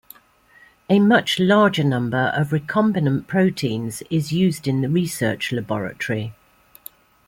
A much larger number of recombinant proteins is used in the research laboratory.